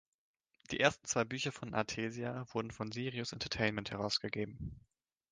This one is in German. Die ersten zwei Bücher von „Artesia“ wurden von Sirius Entertainment herausgegeben.